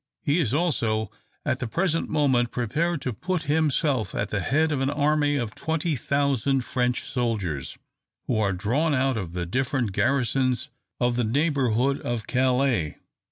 He is also at the present moment prepared to put himself at the head of an army of 20,000 French soldiers, who are drawn out of the different garrisons of the neighbourhood of Calais.